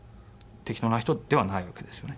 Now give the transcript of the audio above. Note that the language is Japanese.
適当な人ではないわけですよね。